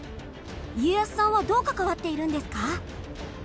家康さんはどう関わっているんですか？